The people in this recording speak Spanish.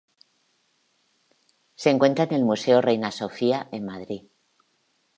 Se encuentra en el Museo Reina Sofía en Madrid.